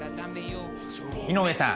井上さん